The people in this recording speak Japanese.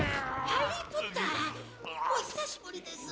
ハリー・ポッターお久しぶりです